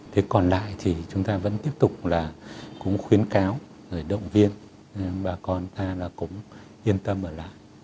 thế còn lại thì chúng ta vẫn tiếp tục là cũng khuyến cáo rồi động viên bà con ta là cũng yên tâm ở lại